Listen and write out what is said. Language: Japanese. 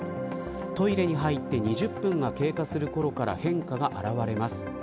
トイレに入って２０分が経過するころから変化が現れます。